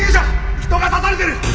人が刺されてる！